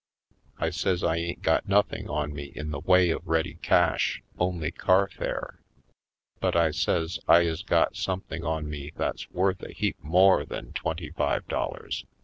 I says I ain't got nothing on me in the way of ready cash, only carfare. But I says I is got something on me that's worth a heap more than twenty five dollars.